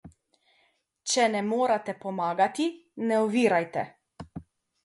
Če ne morete pomagati, ne ovirajte.